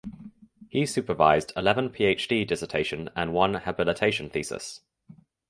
He supervised eleven PhD dissertation and one habilitation thesis.